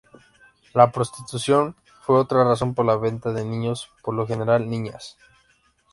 La prostitución fue otra razón por la venta de niños, por lo general niñas.